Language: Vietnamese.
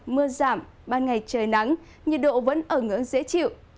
mưa giảm ban ngày trời nắng nhiệt độ vẫn ở ngưỡng dễ chịu